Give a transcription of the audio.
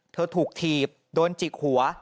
ถูกถีบโดนจิกหัว